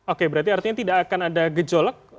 oke berarti artinya tidak akan ada gejolak